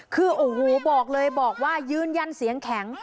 คือโอ้โหบอกเลยบอกว่ายืนยันเสียงแข็ง